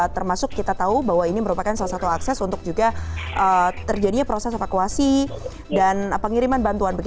termasuk kita tahu bahwa ini merupakan salah satu akses untuk juga terjadinya proses evakuasi dan pengiriman bantuan